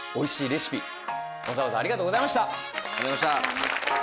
レシピわざわざありがとうございました